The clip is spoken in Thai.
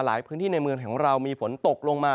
ในพื้นที่ในเมืองของเรามีฝนตกลงมา